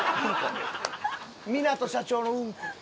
港社長のうんこ。